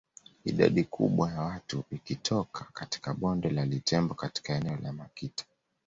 Idadi kubwa ya watu ikitoka katika bonde la Litembo katika eneo la Makita